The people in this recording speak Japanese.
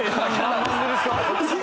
何でですか？